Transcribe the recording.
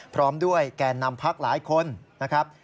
พร้อมด้วยแก่นำพักหลายคนนะครับ